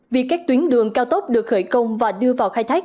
vì các tuyến đường cao tốc được khởi công và đưa vào khai thách